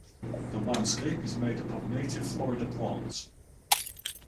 The landscape is made up of native Florida plants.